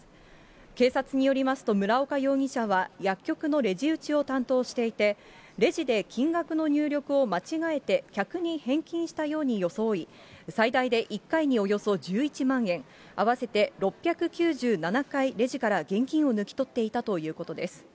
警察によりますと、村岡容疑者は薬局のレジ打ちを担当していて、レジで金額の入力を間違えて、客に返金したように装い、最大で１回におよそ１１万円、合わせて６９７回、レジから現金を抜き取っていたということです。